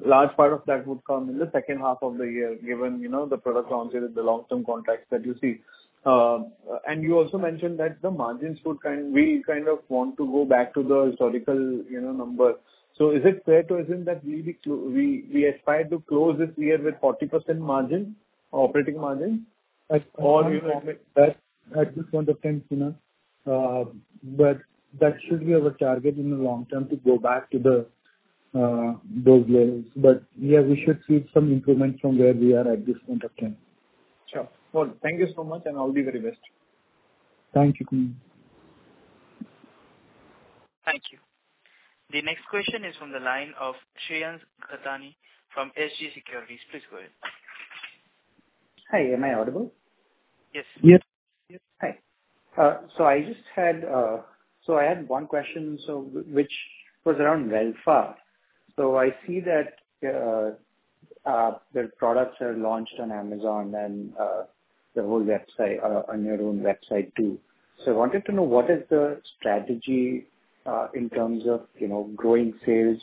Large part of that would come in the second half of the year, given, you know, the product launches, the long-term contracts that you see. You also mentioned that the margins we kind of want to go back to the historical, you know, number. Is it fair to assume that we aspire to close this year with 40% margin or operating margin at At this point of time, you know, but that should be our target in the long term to go back to the, those levels. Yeah, we should see some improvement from where we are at this point of time. Sure. Well, thank you so much, and all the very best. Thank you, Kunal. Thank you. The next question is from the line of Shreyans Gathani from SG Securities. Please go ahead. Hi, am I audible? Yes. Yes. Hi. I just had one question, which was around Wellfa. I see that the products are launched on Amazon and the whole website on your own website too. I wanted to know what is the strategy, in terms of, you know, growing sales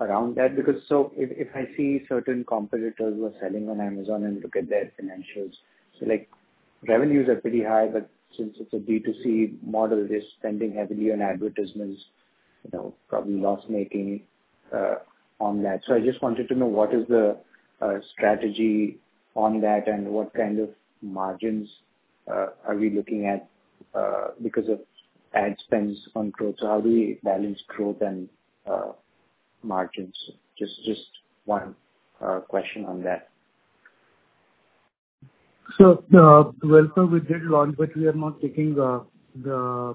around that. If I see certain competitors who are selling on Amazon and look at their financials, like revenues are pretty high, but since it's a B2C model, they're spending heavily on advertisements, you know, probably loss-making on that. I just wanted to know what is the strategy on that and what kind of margins are we looking at because of ad spends on growth. How do we balance growth and margins? Just one question on that. Wellfa we did launch, but we are not taking the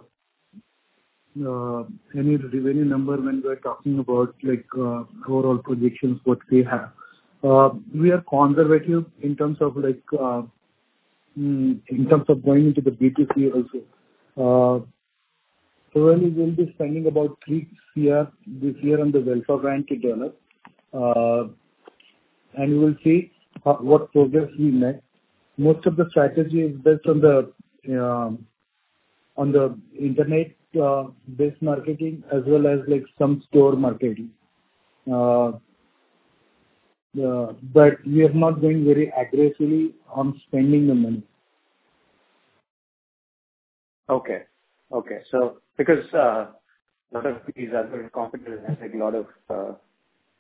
any revenue number when we are talking about like overall projections what we have. We are conservative in terms of like in terms of going into the B2C also. Currently we'll be spending about three years this year on the Wellfa brand to develop, and we will see what progress we make. Most of the strategy is based on the on the internet based marketing as well as like some store marketing. We are not going very aggressively on spending the money. Okay. Okay. Because, lot of these other competitors has like a lot of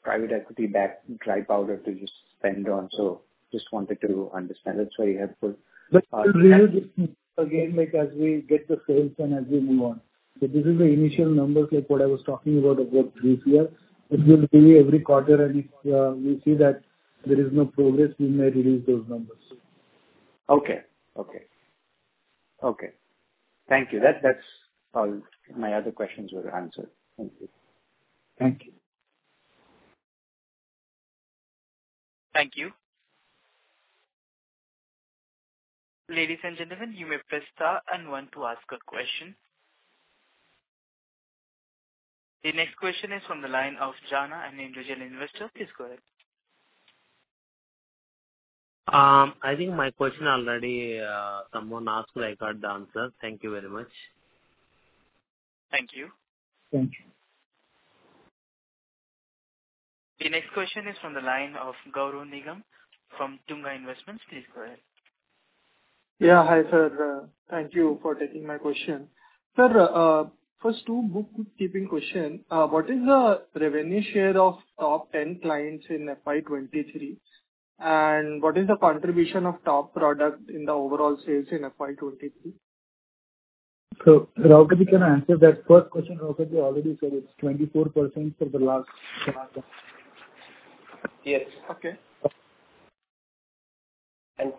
private equity backed dry powder to just spend on, just wanted to understand. That's why I have put. Like, as we get the sales and as we move on. This is the initial numbers, like what I was talking about this year. It will be every quarter and if we see that there is no progress, we may release those numbers. Okay. Okay. Okay. Thank you. That's all. My other questions were answered. Thank you. Thank you. Thank you. Ladies and gentlemen, you may press star and one to ask a question. The next question is from the line of Jana, an individual investor. Please go ahead. I think my question already someone asked. I got the answer. Thank you very much. Thank you. Thank you. The next question is from the line of Gaurav Nigam from Tunga Investments. Please go ahead. Yeah. Hi, sir. Thank you for taking my question. Sir, first two bookkeeping question. What is the revenue share of top 10 clients in FY23? What is the contribution of top product in the overall sales in FY23? Raukaji can answer that first question. Raukaji already said it's 24% for the last financial. Yes. Okay.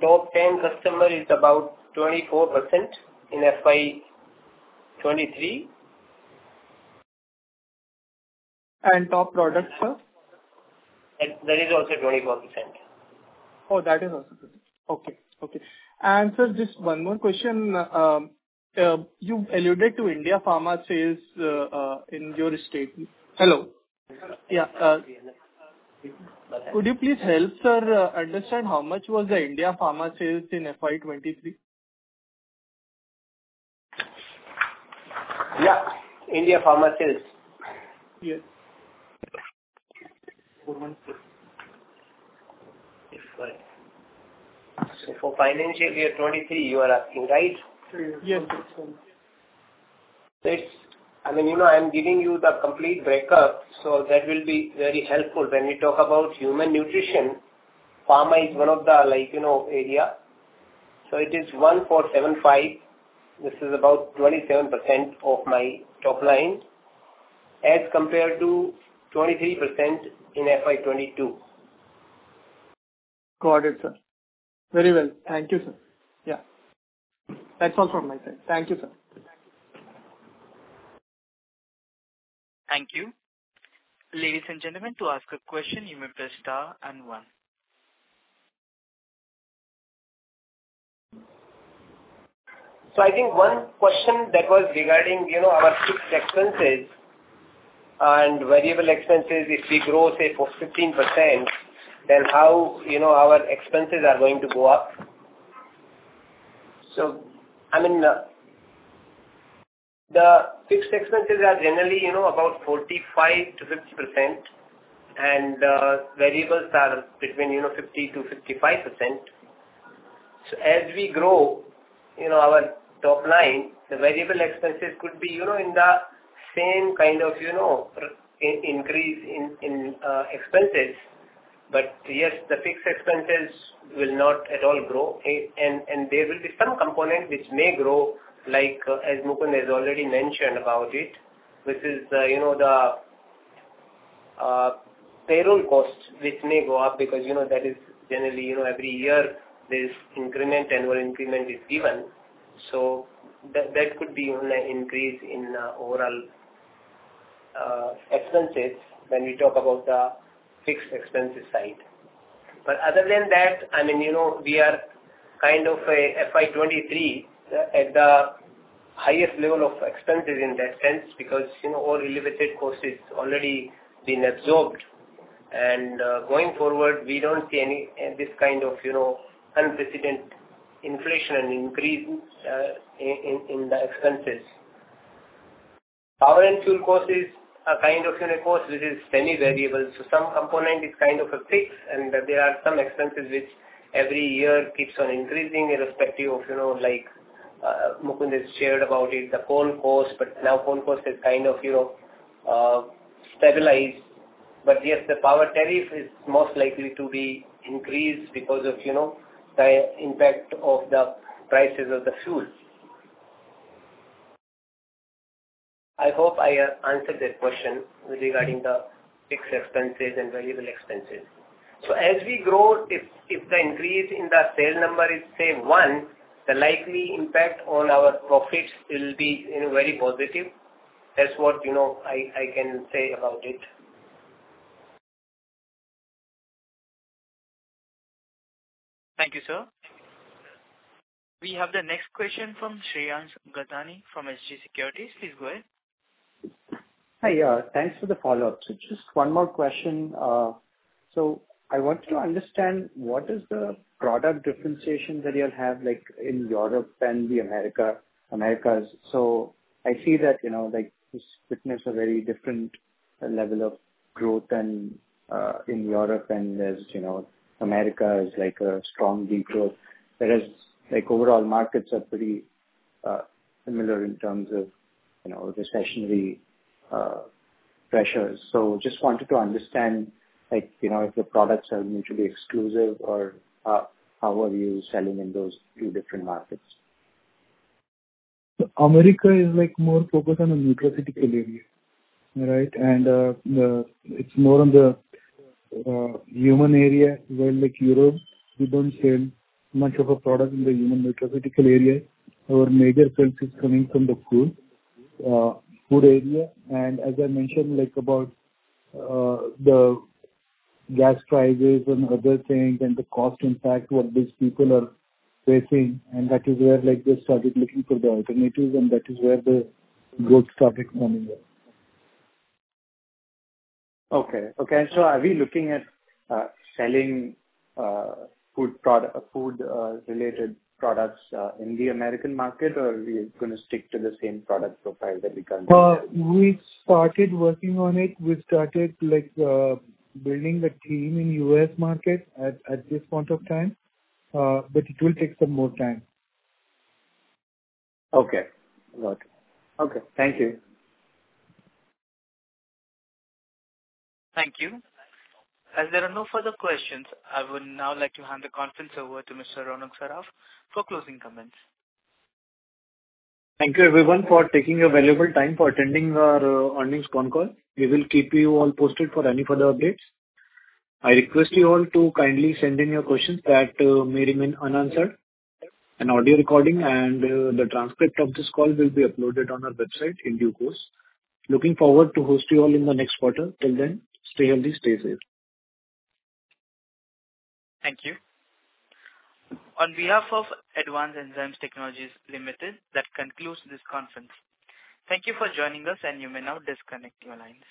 Top 10 customer is about 24% in FY 2023. Top product, sir? That is also 24%. Oh, that is also 24. Okay. Okay. Sir, just one more question. You alluded to India Pharma sales in your statement. Hello? Yeah, could you please help, sir, understand how much was the India Pharma sales in FY 2023? Yeah, India Pharma sales. Yes. For financial year 2023, you are asking, right? Yes. I mean, you know, I'm giving you the complete breakup, that will be very helpful when we talk about human nutrition. Pharma is one of the, like, you know, area. It is 1,475. This is about 27% of my top line, as compared to 23% in FY 2022. Got it, sir. Very well. Thank you, sir. Yeah. That's all from my side. Thank you, sir. Bye-bye. Thank you. Ladies and gentlemen, to ask a question, you may press star and one. I think one question that was regarding, you know, our fixed expenses and variable expenses, if we grow, say for 15%, then how, you know, our expenses are going to go up. I mean, the fixed expenses are generally, you know, about 45%-50%, and variables are between, you know, 50%-55%. As we grow, you know, our top line, the variable expenses could be, you know, in the same kind of, you know, increase in expenses. Yes, the fixed expenses will not at all grow. There will be some component which may grow, like as Mukund has already mentioned about it, which is, you know, the payroll costs which may go up because, you know, that is generally, you know, every year there's increment and where increment is given, so that could be an increase in overall expenses when we talk about the fixed expenses side. Other than that, I mean, you know, we are kind of a FY 2023 at the highest level of expenses in that sense, because, you know, all related costs is already been absorbed. Going forward, we don't see any this kind of, you know, unprecedented inflation and increase in the expenses. Power and fuel cost is a kind of, you know, cost which is semi-variable. Some component is kind of a fix, and there are some expenses which every year keeps on increasing irrespective of you know, like, Mukund has shared about it, the phone cost, but now phone cost is kind of, you know, stabilized. Yes, the power tariff is most likely to be increased because of, you know, the impact of the prices of the fuels. I hope I answered that question regarding the fixed expenses and variable expenses. As we grow, if the increase in the sale number is, say, 1%, the likely impact on our profits will be, you know, very positive. That's what, you know, I can say about it. Thank you, sir. We have the next question from Shreyans Gathani from SG Securities. Please go ahead. Hi. Thanks for the follow-up. Just one more question. I want to understand what is the product differentiation that you'll have, like, in Europe and the Americas. I see that, you know, like, this witness a very different level of growth and in Europe, and there's, you know, America is like a strong growth. Whereas like overall markets are pretty similar in terms of, you know, recessionary pressures. Just wanted to understand, like, you know, if your products are mutually exclusive or how are you selling in those two different markets. America is, like, more focused on the nutraceutical area, right? It's more on the human area, where like Europe, we don't sell much of a product in the human nutraceutical area. Our major sales is coming from the food area. As I mentioned, like about the gas prices and other things and the cost impact what these people are facing, and that is where, like, they started looking for the alternatives and that is where the growth started coming in. Okay. Are we looking at selling food related products in the American market, or are we gonna stick to the same product profile that we currently have? We started working on it. We started, like, building a team in U.S. market at this point of time, but it will take some more time. Okay. Got it. Okay. Thank you. Thank you. As there are no further questions, I would now like to hand the conference over to Mr. Ronak Saraf for closing comments. Thank you everyone for taking the valuable time for attending our earnings con call. We will keep you all posted for any further updates. I request you all to kindly send in your questions that may remain unanswered. An audio recording and the transcript of this call will be uploaded on our website in due course. Looking forward to host you all in the next quarter. Till then, stay healthy, stay safe. Thank you. On behalf of Advanced Enzyme Technologies Limited, that concludes this conference. Thank you for joining us, and you may now disconnect your lines.